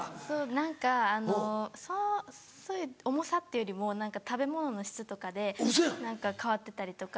・何かあの重さっていうよりも食べ物の質とかで変わってたりとか。